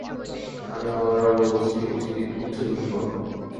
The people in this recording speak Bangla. আমি আবারও বলছি, উচ্চ ঝুকিপূর্ণ!